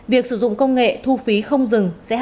việc sử dụng công nghệ thu phí không dừng